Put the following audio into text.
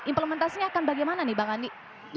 implementasinya akan bagaimana nih bang andi